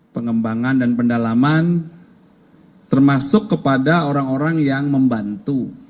pengembangan dan pendalaman termasuk kepada orang orang yang membantu